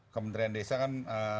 kementerian desa kan